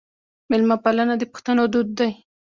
میلمه پالنه د پښتنو دود دی.